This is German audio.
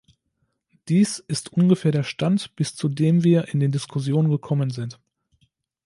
Dies ist ungefähr der Stand, bis zu dem wir in den Diskussionen gekommen sind.